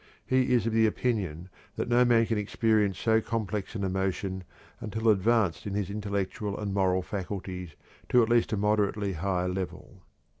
He is of the opinion that no man can experience so complex an emotion until advanced in his intellectual and moral faculties to at least a moderately high level.